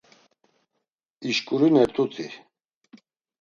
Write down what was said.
İşǩurinert̆uti.